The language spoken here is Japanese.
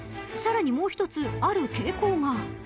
［さらにもうひとつある傾向が］